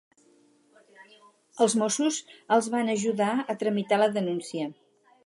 Els mossos els van ajudar a tramitar la denúncia.